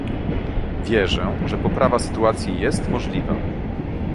Wierzę, że poprawa sytuacji jest możliwa